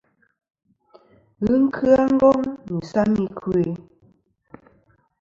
Ghɨ kya Ngong nɨ isam i kwo.